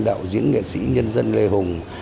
đạo diễn nghệ sĩ nhân dân lê hùng